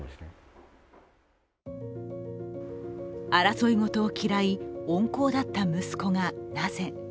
争いごとを嫌い温厚だった息子がなぜ。